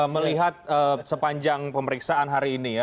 melihat sepanjang pemeriksaan hari ini ya